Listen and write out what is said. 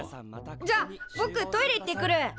じゃあぼくトイレ行ってくる。